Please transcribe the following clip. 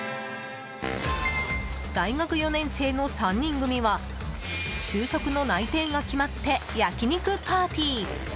大学４年生の３人組は就職の内定が決まって焼き肉パーティー。